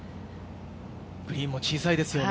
グリーンも小さいですよね。